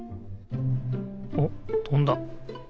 おっとんだ。